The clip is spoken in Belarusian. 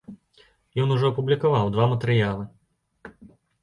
Ён ужо апублікаваў два матэрыялы.